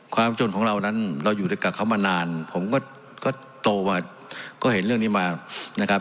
ความจนของเรานั้นเราอยู่ด้วยกันกับเขามานานผมก็โตมาก็เห็นเรื่องนี้มานะครับ